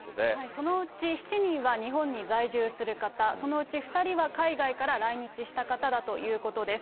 そのうち７人は日本に在住する方、そのうち２人は海外から来日した方だということです。